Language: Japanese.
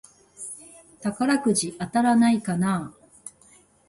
宝くじ当たらないかなぁ